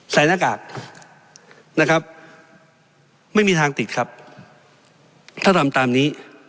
หน้ากากนะครับไม่มีทางติดครับถ้าทำตามนี้